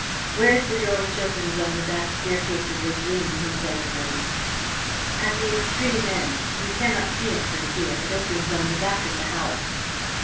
"Where is the door which opens on the back staircase of this wing?" he said, at length. "At the extreme end. You cannot see it from here. It opens on the back of the house."